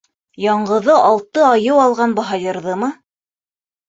Яңғыҙы алты айыу алған баһадирҙымы?!